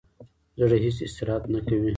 زړه هیڅ استراحت نه کوي.